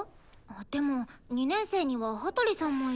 でも２年生には羽鳥さんもいるし。